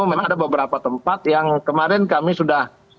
memang ada beberapa tempat yang kemarin kami sudah